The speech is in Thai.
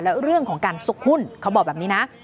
และเรื่องของการซุกหุ้นเขาบอกแบบนี้นะ